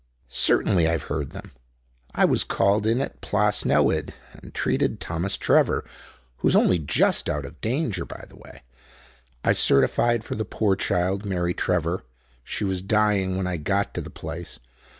"Certainly I have heard them. I was called in at Plas Newydd, and treated Thomas Trevor, who's only just out of danger, by the way. I certified for the poor child, Mary Trevor. She was dying when I got to the place.